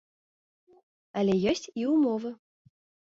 Але ёсць і ўмовы.